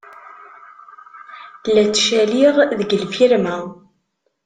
La ttcaliɣ deg lfirma.